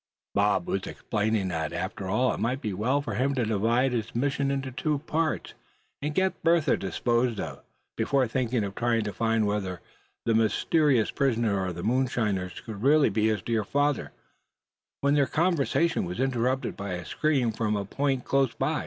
Bob was explaining that after all it might be well for him to divide his mission into two parts, and get Bertha disposed of, before thinking of trying to find whether the mysterious prisoner of the moonshiners could really be his dear father, when their conversation was interrupted by a scream from a point close by.